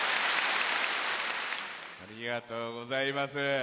ありがとうございます。